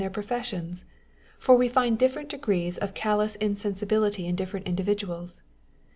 113 their profession ; for we find different degrees of callous insensibility in different individuals.